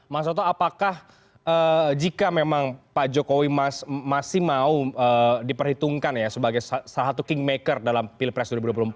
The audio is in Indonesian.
terus apakah jika memang pak jokowi masih mau diperhitungkan sebagai salah satu king maker dalam pilpres dua ribu dua puluh empat